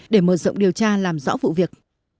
để mở rộng điều tra làm rõ vụ việc